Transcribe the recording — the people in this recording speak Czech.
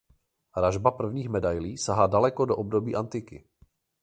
Ražba prvních medailí sahá daleko do období antiky.